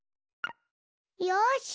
よし！